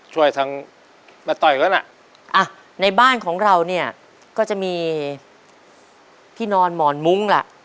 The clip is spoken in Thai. ช่วยทั้งมาต่อยเขาล่ะอ่ะในบ้านของเราเนี่ยก็จะมีที่นอนหมอนมุ้งล่ะ